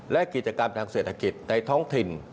และกิจกรรมทางเศรษฐกิจในท้องถิ่น